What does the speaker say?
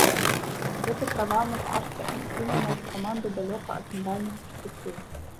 Гэты правал на старце адкінуў нашу каманду далёка ад медальных перспектыў.